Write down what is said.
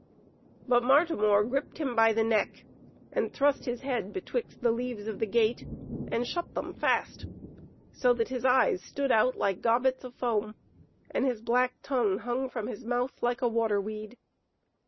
But Martimor gripped him by the neck and thrust his head betwixt the leaves of the gate and shut them fast, so that his eyes stood out like gobbets of foam, and his black tongue hung from his mouth like a water weed.